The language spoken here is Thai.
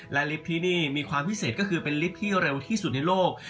และลิฟต์ที่นี่มีความพิเศษก็คือเป็นลิฟท์ที่เร็วที่สุดในโลก